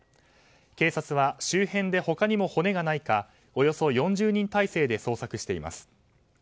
警察は、周辺で他にも骨がないかおよそ４０人態勢で捜索しています。